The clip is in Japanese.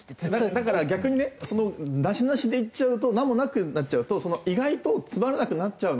だから逆にね「なしなし」でいっちゃうと何もなくなっちゃうと意外とつまらなくなっちゃうので。